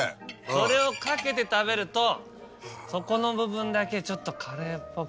それをかけて食べるとそこの部分だけちょっとカレーっぽく。